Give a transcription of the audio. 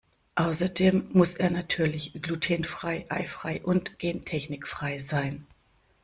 Außerdem muss er natürlich glutenfrei, eifrei und gentechnikfrei sein.